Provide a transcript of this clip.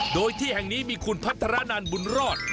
โดยที่แห่งนี้มีคุณพัฒนานันบุญรอด